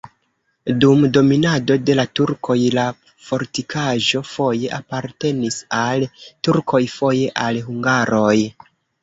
Dum dominado de la turkoj la fortikaĵo foje apartenis al turkoj, foje al hungaroj.